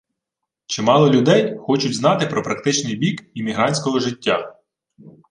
Чимало людей хочуть знати про практичний бік іммігрантського життя